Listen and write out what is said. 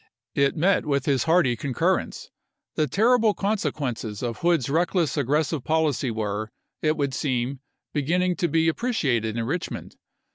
It met with his hearty concurrence ; the terrible consequences of Hood's reckless aggressive policy were, it would seem, be ginning to be appreciated in Eichmond.